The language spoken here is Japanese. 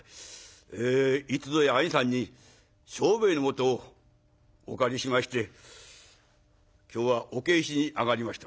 「ええいつぞや兄さんに商売の元をお借りしまして今日はお返しに上がりました」。